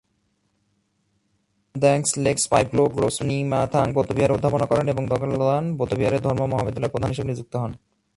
জাম-দ্ব্যাংস-লেগ্স-পা'ই-ব্লো-গ্রোস ন্যি-মা-থাং বৌদ্ধবিহারে অধ্যাপনা করেন এবং দ্গা'-ল্দান বৌদ্ধবিহারের ধর্ম মহাবিদ্যালয়ে প্রধান হিসেবে নিযুক্ত হন।